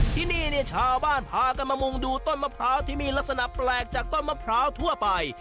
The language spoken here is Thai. ที่นี่เนี่ยชาวบ้านพากันมามุงดูต้นมะพร้าวที่มีลักษณะแปลกจากต้นมะพร้าวทั่วไป